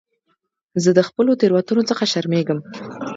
زه د خپلو تېروتنو څخه شرمېږم.